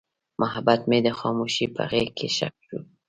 محبت مې د خاموشۍ په غېږ کې ښخ شو.